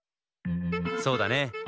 そうだね！